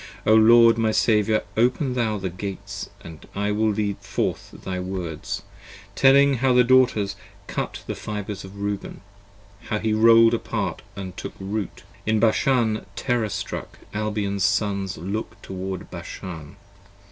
O Lord my Saviour, open thou the Gates And I will lead forth thy Words, telling how the Daughters Cut the Fibres of Reuben, how he roll'd apart & took Root In Bashan, terror struck Albion's Sons look toward Bashan.